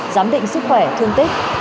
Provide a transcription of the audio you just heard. giám định sức khỏe thương tích